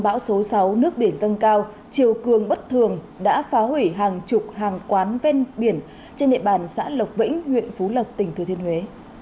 bão số sáu nước biển dâng cao chiều cường bất thường đã phá hủy hàng chục hàng quán ven biển trên địa bàn xã lộc vĩnh huyện phú lộc tỉnh thừa thiên huế